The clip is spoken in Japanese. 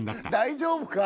大丈夫か？